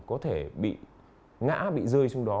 có thể bị ngã bị rơi xuống đó